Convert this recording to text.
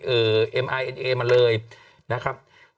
โอ๊ะ